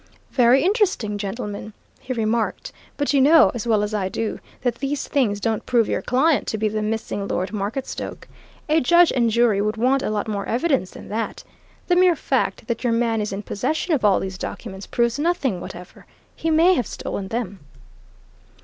"Very interesting, gentlemen," he remarked. "But you know, as well as I do, that these things don't prove your client to be the missing Lord Marketstoke. A judge and jury would want a lot more evidence than that. The mere fact that your man is in possession of all these documents proves nothing whatever. He may have stolen them!"